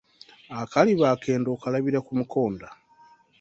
Akaliba akendo okulabira ku mukonda.